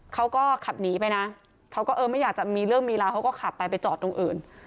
เขาก็ขับหนีไปนะเขาก็เออไม่อยากจะมีเรื่องมีราวเขาก็ขับไปไปจอดตรงอื่น